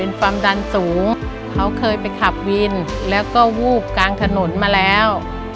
เป็นความดันสูงเขาเคยไปขับวินแล้วก็วูบกลางถนนมาแล้ว